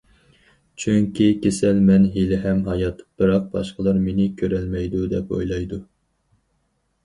چۈنكى كېسەل« مەن ھېلىھەم ھايات، بىراق باشقىلار مېنى كۆرەلمەيدۇ» دەپ ئويلايدۇ.